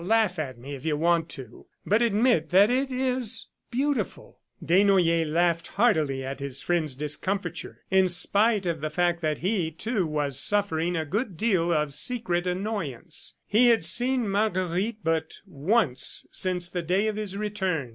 ... Laugh at me if you want to, but admit that it is beautiful." Desnoyers laughed heartily at his friend's discomfiture, in spite of the fact that he, too, was suffering a good deal of secret annoyance. He had seen Marguerite but once since the day of his return.